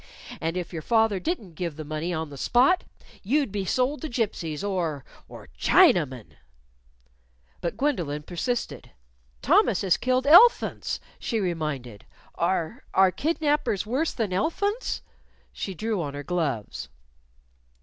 And if your father didn't give the money on the spot, you'd be sold to gipsies, or or Chinamen." But Gwendolyn persisted. "Thomas has killed el'phunts," she reminded. "Are are kidnapers worse than el'phunts?" She drew on her gloves.